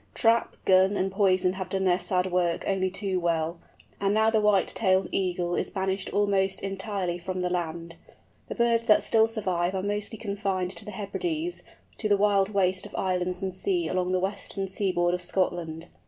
Trap, gun, and poison have done their sad work only too well, and now the White tailed Eagle is banished almost entirely from the land. The birds that still survive are mostly confined to the Hebrides, to the wild waste of islands and sea along the western seaboard of Scotland.